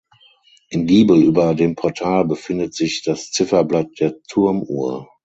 Im Giebel über dem Portal befindet sich das Zifferblatt der Turmuhr.